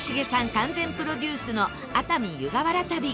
完全プロデュースの熱海・湯河原旅